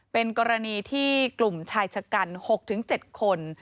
เป็นกรณีที่กลุ่มชายชะกัน๖๗คน